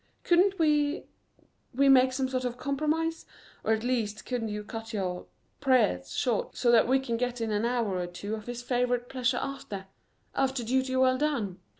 Couldn't we we make some sort of compromise? Or at least couldn't you cut your prayers short so he can get in an hour or two of his favorite pleasure after after duty well done?"